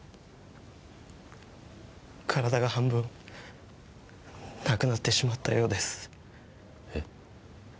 体が半分なくなってしまったようです。え？